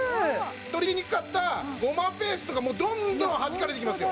取りにくかったごまペーストがもうどんどんはじかれていきますよ